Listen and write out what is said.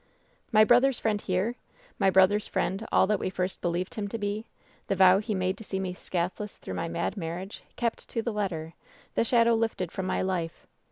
"My brother's friend here ! My brother's friend all that we first believed him to be ! The vow he made to see me scathless through my mad marriage kept to the letter ! The shadow lifted from my life